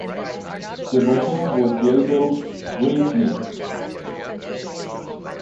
The bottle was labelled "drink me".